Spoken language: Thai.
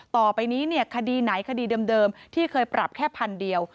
ต่อไปนี้คดีไหนคดีเดิมที่เคยปรับแค่พันเดียว